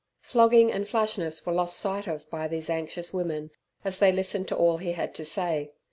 Flogging and flashness were lost sight of by these anxious women, as they listened to all he had to say.